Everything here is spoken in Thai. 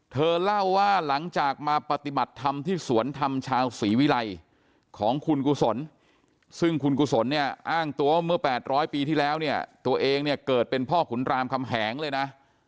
เธอเล่าว่าหลังจากมาปฏิบัติธรรมที่สวนธรรมชาวศรีวิรัยของคุณกุศลซึ่งคุณกุศลเนี่ยอ้างตัวเมื่อ๘๐๐ปีที่แล้วเนี่ยตัวเองเนี่ยเกิดเป็นพ่อขุนรามคำแหงเลยนะ